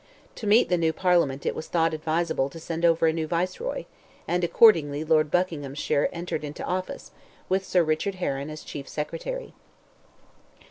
To meet the new Parliament it was thought advisable to send over a new Viceroy, and accordingly Lord Buckinghamshire entered into office, with Sir Richard Heron as chief secretary.